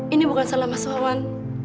ini bukan salah mas wawan